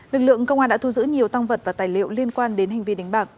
lực lượng công an đã thu giữ nhiều tăng vật và tài liệu liên quan đến hành vi đánh bạc